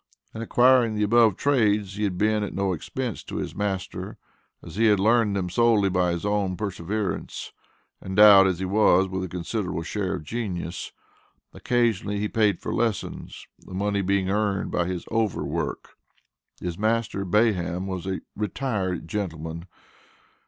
In acquiring the above trades he had been at no expense to his master, as he had learned them solely by his own perseverance, endowed as he was with a considerable share of genius. Occasionally he paid for lessons, the money being earned by his over work. His master, Bayham, was a "retired gentleman."